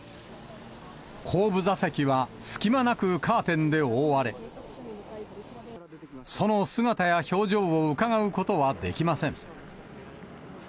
後部座席は隙間なくカーテンで覆われ、その姿や表情をうかがうことはできません。